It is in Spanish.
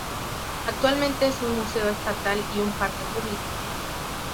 Actualmente es un museo estatal y un parque público.